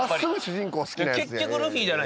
結局ルフィじゃないですか。